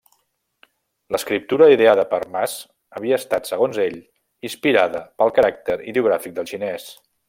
L'escriptura ideada per Mas havia estat, segons ell, inspirada pel caràcter ideogràfic del xinès.